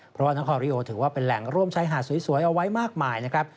เพราะว่านครริโอถือว่าเป็นแหล่งร่วมชายหาดสวยเอาไว้มากมายนะครับ